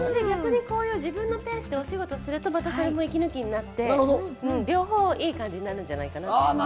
自分のペースでお仕事すると息抜きになって、両方いい感じになるんじゃないかなと思います。